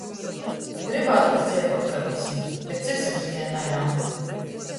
Grybātūs dzeivuot kai vysim, bet sirdsapziņa naļaun!